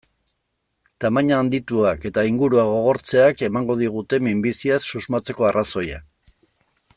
Tamaina handituak eta ingurua gogortzeak emango digute minbiziaz susmatzeko arrazoia.